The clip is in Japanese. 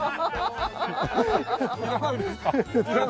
いらないですか？